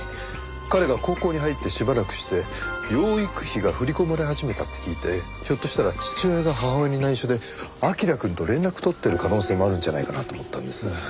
彼が高校に入ってしばらくして養育費が振り込まれ始めたって聞いてひょっとしたら父親が母親に内緒で彬くんと連絡取ってる可能性もあるんじゃないかなと思ったんです。